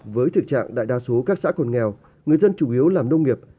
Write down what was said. với thực trạng đại đa số các xã còn nghèo người dân chủ yếu làm nông nghiệp